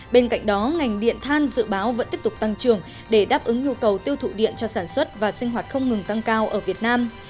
bên cạnh đó ngành điện than dự báo vẫn tiếp tục tăng trưởng để đáp ứng nhu cầu tiêu thụ điện cho sản xuất và sinh hoạt không ngừng tăng cao ở việt nam